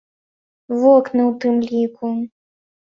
Вокны ў тым ліку.